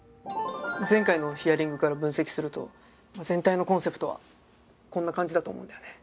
前回のヒアリングから分析すると全体のコンセプトはこんな感じだと思うんだよね。